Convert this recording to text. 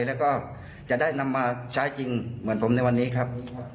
แล้วก็จะได้นำมาใช้จริงเหมือนผมในวันนี้ครับ